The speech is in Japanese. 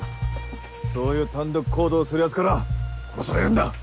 そういう単独行動するヤツから殺されるんだ！